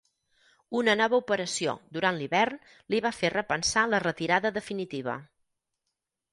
Una nova operació durant l'hivern li van fer repensar la retirada definitiva.